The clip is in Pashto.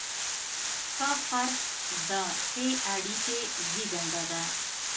ښه خرڅ د ښې اړیکې زیږنده ده.